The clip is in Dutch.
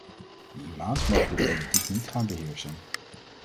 De imams mogen de politiek niet gaan beheersen.